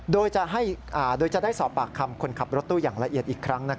โดยจะได้สอบปากคำคนขับรถตู้อย่างละเอียดอีกครั้ง